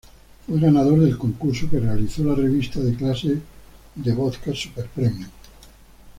Fue ganador del concurso que realizó la revista de clases de vodka super premium.